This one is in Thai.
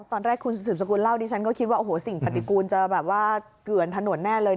ตอนแรกคุณสุสุกุลเล่าดิฉันก็คิดว่าสิ่งปฏิกูลจะเกือนถนนแน่เลย